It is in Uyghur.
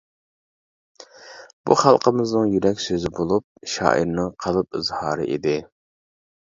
بۇ خەلقىمىزنىڭ يۈرەك سۆزى بولۇپ، شائىرنىڭ قەلب ئىزھارى ئىدى.